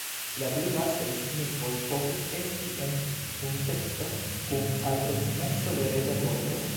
La du lastaj signifoj povus esti en kunteksto kun al proksimeco de reĝa korto.